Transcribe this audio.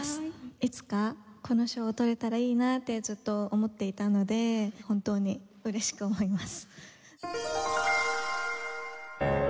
いつかこの賞を取れたらいいなとずっと思っていたので本当に嬉しく思います。